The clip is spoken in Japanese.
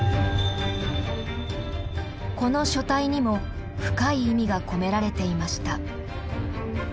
この書体にも深い意味が込められていました。